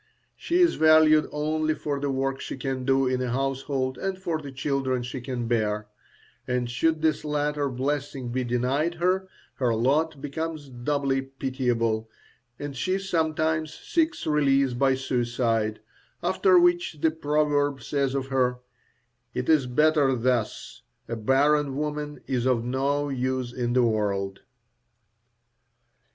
She is valued only for the work she can do in a household and for the children she can bear; and should this latter blessing be denied her, her lot becomes doubly pitiable, and she sometimes seeks release by suicide, after which the proverb says of her, "It is better thus; a barren woman is of no use in the world."